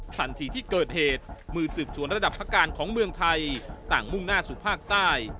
ทันทีที่เกิดเหตุมือสืบสวนระดับพระการของเมืองไทยต่างมุ่งหน้าสู่ภาคใต้